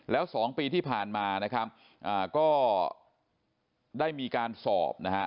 แล้ว๒ปีที่ผ่านมานะครับก็ได้มีการสอบนะฮะ